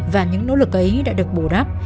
và những nỗ lực ấy đã được bổ đáp